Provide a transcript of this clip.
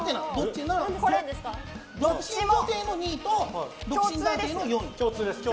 独身女性の２位と独身男性の４位。